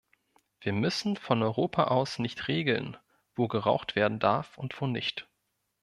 Wir müssen von Europa aus nicht regeln, wo geraucht werden darf und wo nicht.